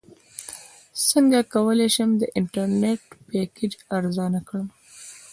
څنګه کولی شم د انټرنیټ پیکج ارزانه کړم